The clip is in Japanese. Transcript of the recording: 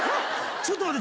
ちょっと待って！